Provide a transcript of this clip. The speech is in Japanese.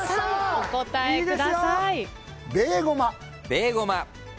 お答えください。